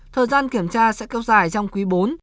thời gian kiểm tra sẽ kéo dài trong quý bốn